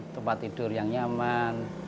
tempat tidur yang nyaman